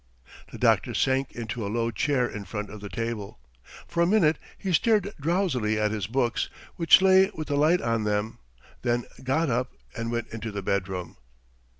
... The doctor sank into a low chair in front of the table; for a minute he stared drowsily at his books, which lay with the light on them, then got up and went into the bedroom.